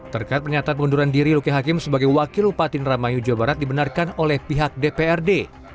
terkait pernyataan pengunduran diri luki hakim sebagai wakil upati indramayu jawa barat dibenarkan oleh pihak dprd